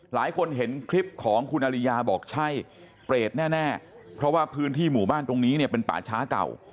หลายคนเห็นคลิปของคุณอริยาบอกใช่เปรตแน่เพราะว่าพื้นที่หมู่บ้านตรงนี้เนี่ยเป็นป่าช้าเก่า